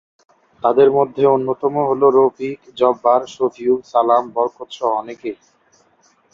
তাদের মধ্যে অন্যতম হলো রফিক, জব্বার, শফিউল, সালাম, বরকত সহ অনেকেই।